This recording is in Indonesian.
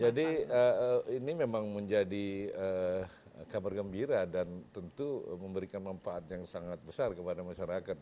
jadi ini memang menjadi kabar gembira dan tentu memberikan manfaat yang sangat besar kepada masyarakat